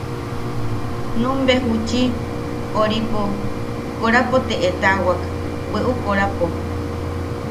Numbe juchi... oripo... korapo te etawak, bweʼu korapo.